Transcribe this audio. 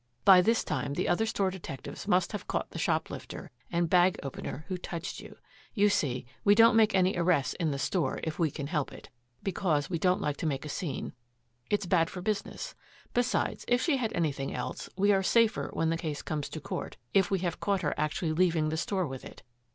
"By this time the other store detectives must have caught the shoplifter and bag opener who touched you. You see, we don't make any arrests in the store if we can help it, because we don't like to make a scene. It's bad for business. Besides, if she had anything else, we are safer when the case comes to court, if we have caught her actually leaving the store with it.